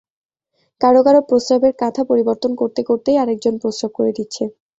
কারও কারও প্রস্রাবের কাঁথা পরিবর্তন করতে করতেই আরেকজন প্রস্রাব করে দিচ্ছে।